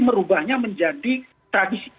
merubahnya menjadi tradisi